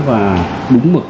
và đúng mực